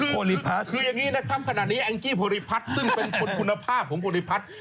คือยังงี้นะครับขนาดนี้แองกี้โพริพัฒน์ซึ่งเป็นคนคุณภาพของโพริพัฒน์